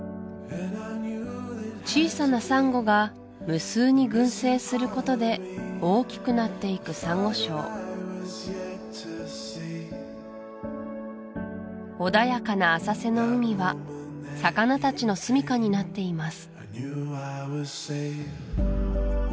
小さなサンゴが無数に群生することで大きくなっていくサンゴ礁穏やかな浅瀬の海は魚たちのすみかになっています